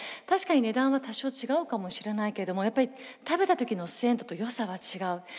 確かに値段は多少違うかもしれないけどもやっぱり食べた時の鮮度とよさは違う。